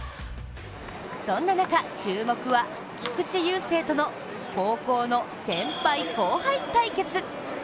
そんな中、注目は菊池雄星との高校の先輩後輩対決。